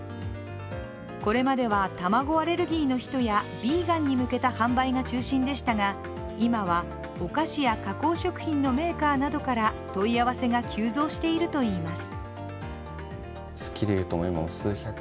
これまでは、卵アレルギーの人やビーガンに向けた販売が中心でしたが今はお菓子や加工食品のメーカーなどから問い合わせが急増しているといいます。